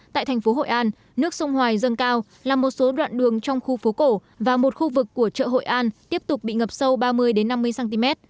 tại thành phố hội an nước sông hoài dâng cao làm một số đoạn đường trong khu phố cổ và một khu vực của chợ hội an tiếp tục bị ngập sâu ba mươi năm mươi cm